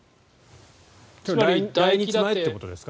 来日前ということですか？